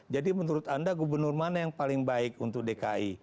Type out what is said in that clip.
jadi menurut anda gubernur mana yang paling baik untuk dki